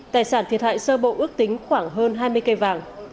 tài sản thiệt hại sơ bộ ước tính khoảng hơn hai mươi cây vàng